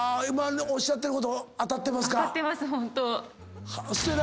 今おっしゃってること当たってますか？